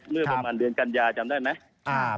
เมื่อประมาณเดือนกัญญาจำได้ไหม